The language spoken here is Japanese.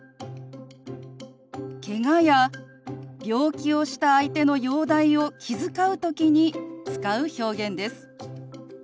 けがや病気をした相手の容体を気遣う時に使う表現です。